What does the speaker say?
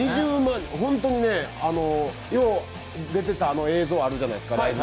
よう出てたライブ映像あるじゃないですか